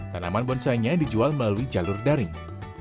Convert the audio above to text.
tanaman bonsainya dijual melalui jalur daring